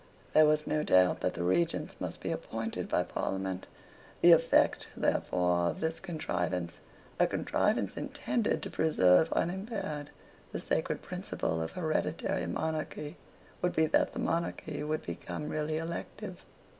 There was no doubt that the Regents must be appointed by Parliament. The effect, therefore, of this contrivance, a contrivance intended to preserve unimpaired the sacred principle of hereditary monarchy, would be that the monarchy would become really elective.